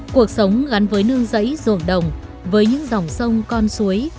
cuộc sống gắn với nương rẫy ruộng đồng với những dòng sông con suối